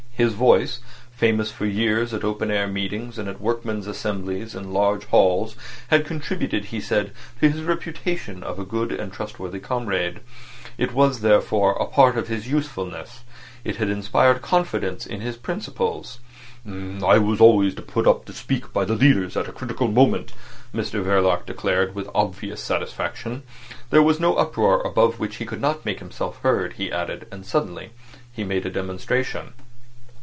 His voice,—famous for years at open air meetings and at workmen's assemblies in large halls, had contributed, he said, to his reputation of a good and trustworthy comrade. It was, therefore, a part of his usefulness. It had inspired confidence in his principles. "I was always put up to speak by the leaders at a critical moment," Mr Verloc declared, with obvious satisfaction. There was no uproar above which he could not make himself heard, he added; and suddenly he made a demonstration.